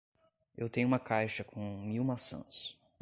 Eu tenho uma caixa com mil maçãs